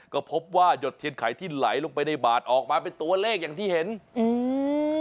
ก็พบว่าหยดเทียนไข่ที่ไหลลงไปในบาดออกมาเป็นตัวเลขอย่างที่เห็นอืม